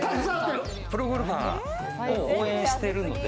プロゴルファーを応援してるので。